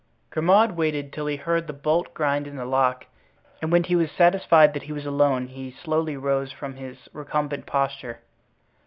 Grimaud waited till he heard the bolt grind in the lock and when he was satisfied that he was alone he slowly rose from his recumbent posture.